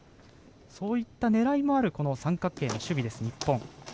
そういった狙いもある三角形の守備、日本。